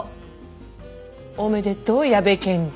おめでとう矢部検事。